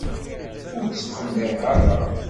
Ur tt-ttqemmireɣ ara.